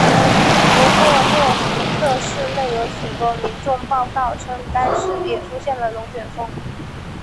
不过诺福克市内有许多民众报告称该市也出现了龙卷风。